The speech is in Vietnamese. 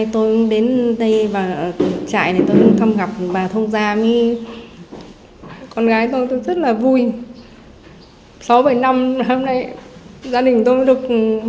tên là phạm vi đức